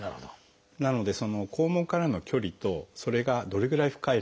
なので肛門からの距離とそれがどれぐらい深いのか。